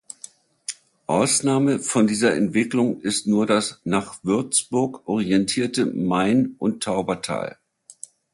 Ausnahme von dieser Entwicklung ist nur das nach Würzburg orientierte Main- und Taubertal.